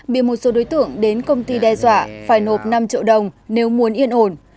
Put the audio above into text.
bị một số đối tượng đến công ty đe dọa phải nộp năm triệu đồng nếu muốn yên ổn